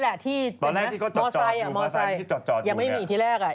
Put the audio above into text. มันมีจอดอยู่กันนะตอนแรกที่เขาจอดจอดอยู่มอไซค์ยังไม่มีที่แรก